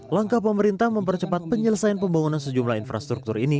langkah pemerintah mempercepat penyelesaian pembangunan sejumlah infrastruktur ini